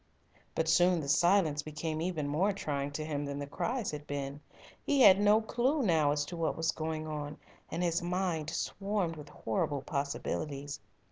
But soon the silence became even more trying to him than the cries had been. He had no clue now as to what was going on, and his mind swarmed with horrible possibilities.